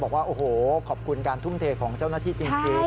บอกว่าโอ้โหขอบคุณการทุ่มเทของเจ้าหน้าที่จริง